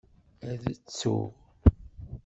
Ad tsuɣ.